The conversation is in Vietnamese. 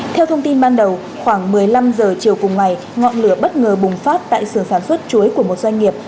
theo thông tin ban đầu khoảng một mươi năm h chiều cùng ngày ngọn lửa bất ngờ bùng phát tại sườn sản xuất chuối của một doanh nghiệp